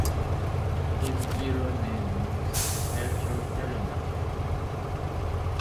His era name means "Perpetual calendar".